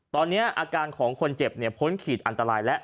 ตอนนี้อาการของคนเจ็บพ้นขีดอันตรายแล้ว